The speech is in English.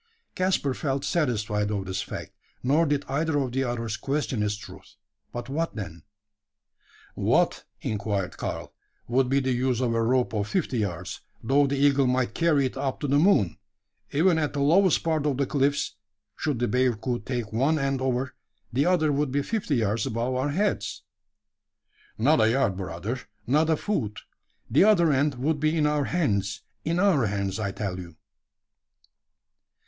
Caspar felt satisfied of this fact; nor did either of the others question its truth but what then? "What," inquired Karl, "would be the use of a rope of fifty yards, though the eagle might carry it up to the moon? Even at the lowest part of the cliffs should the bearcoot take one end over, the other would be fifty yards above our heads?" "Not a yard, brother not a foot. The other end would be in our hands in our hands, I tell you."